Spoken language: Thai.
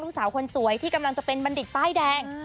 ลูกสาวคนสวยที่กำลังจะเป็นบัณฑิตป้ายแดง